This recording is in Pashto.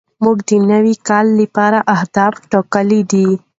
موږ د نوي کال لپاره اهداف ټاکلي دي.